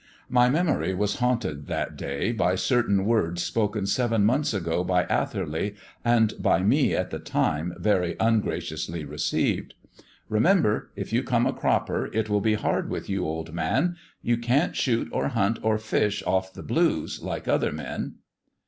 My memory was haunted that day by certain words spoken seven months ago by Atherley, and by me at the time very ungraciously received: "Remember, if you do come a cropper, it will go hard with you, old man; you can't shoot or hunt or fish off the blues, like other men."